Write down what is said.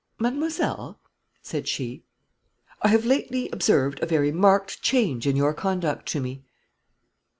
"Mademoiselle," said she, "I have lately observed a very marked change in your conduct to me."